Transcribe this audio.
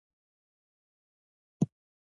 تعلیم د نجونو پر ځان باور زیاتوي.